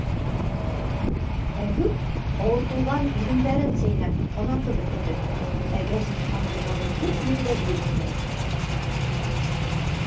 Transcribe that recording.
Әйүп ауыртыуҙан ирендәрен сәйнәп ҡанатып бөттө, ә гәзит һаман янып бөтмәй ҙә бөтмәй...